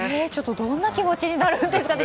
どんな気持ちになるんですかね。